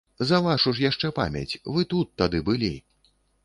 За вашу ж яшчэ памяць, вы тут тады былі.